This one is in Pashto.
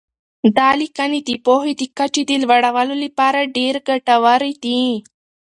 دا لیکنې د پوهې د کچې د لوړولو لپاره ډېر ګټورې دي.